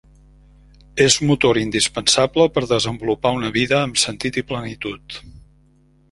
És motor indispensable per desenvolupar una vida amb sentit i plenitud.